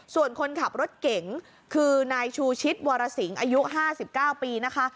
ส่วนคนขับรถเก๋งคือนายชูชิดวรสิงอายุห้าสิบเก้าปีนะคะ